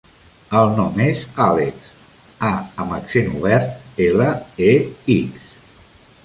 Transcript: El nom és Àlex: a amb accent obert, ela, e, ics.